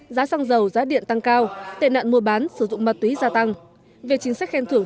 giá xăng dầu giá điện tăng cao tệ nạn mua bán sử dụng ma túy gia tăng về chính sách khen thưởng